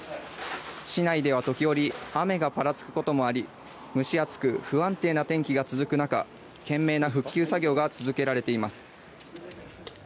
市内では時折雨がぱらつくこともあり蒸し暑く不安定な天気が続く中懸命な復旧作業が続けられています。